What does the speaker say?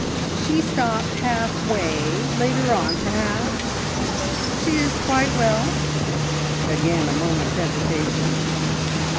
She stopped half way. Later on ... perhaps " "She is quite well?" Again a moment's hesitation.